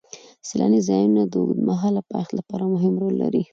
سیلاني ځایونه د اوږدمهاله پایښت لپاره مهم رول لري.